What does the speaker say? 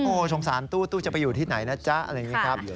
โอ้โหสงสารตู้จะไปอยู่ที่ไหนนะจ๊ะอะไรอย่างนี้ครับ